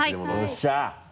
よっしゃ！